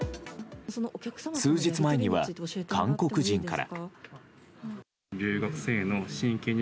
数日前には韓国人から。